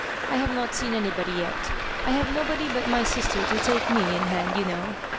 " I have not seen anybody yet I have nobody but my sister to take me in hand, you know.